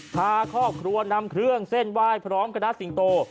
พาครอบครัวนำเครื่องเส้นไหว้พร้อมคณะสิงโต